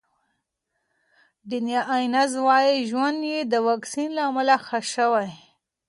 ډیانا اینز وايي ژوند یې د واکسین له امله ښه شوی.